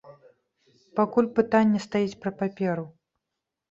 Пакуль пытанне стаіць пра паперу.